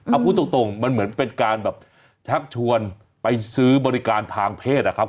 เอาพูดตรงมันเหมือนเป็นการแบบชักชวนไปซื้อบริการทางเพศนะครับ